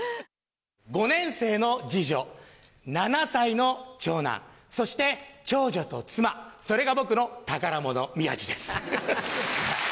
５年生の次女、７歳の長男、そして長女と妻、それが僕の宝物、宮治です。